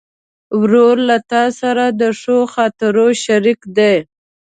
ورور له تا سره د ښو خاطرو شریک دی.